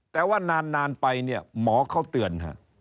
แต่ว่านานไปหมอเขาเตือน